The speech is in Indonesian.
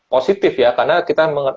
positif ya karena kita